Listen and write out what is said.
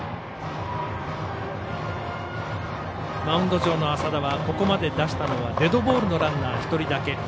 マウンド上の麻田はここまで出したのはデッドボールのランナー１人だけ。